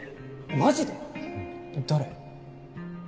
マジで！？誰？